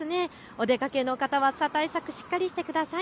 お出かけの方は暑さ対策しっかりしてください。